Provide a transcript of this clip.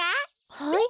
はい？